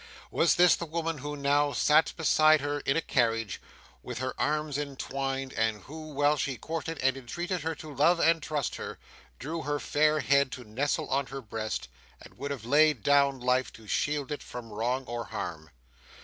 Was this the woman who now sat beside her in a carriage, with her arms entwined, and who, while she courted and entreated her to love and trust her, drew her fair head to nestle on her breast, and would have laid down life to shield it from wrong or harm?